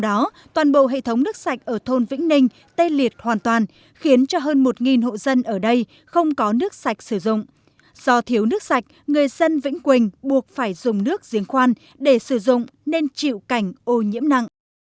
do thiếu nước sạch người dân vĩnh quỳnh buộc phải dùng nước riêng khoan để sử dụng nên chịu cảnh ô nhiễm nặng